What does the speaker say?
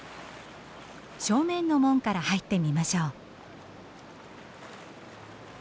正面の門から入ってみましょう。